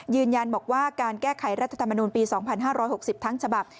ยืนยันบอกว่าการแก้ไขรัฐธรรมนูลปี๒๕๖๐ทั้งฉบับ